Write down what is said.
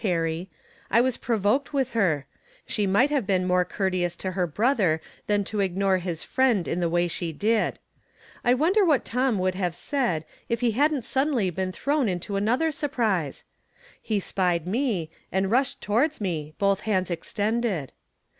Perry. I was provoked From Different Standpoints. 41 with her ; she might have been more courteous to her brother than to ignore his friend in the way she did. I wonder what Tom would have said, if he hadn't suddenly been thrown into another surprise ? He spied me, and rushed to wards me, both hands extended.